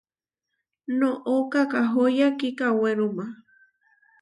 Noʼó kakahóya kikawéruma.